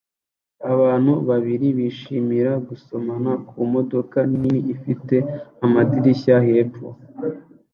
Abantu babiri bishimira gusomana ku modoka nini ifite amadirishya hepfo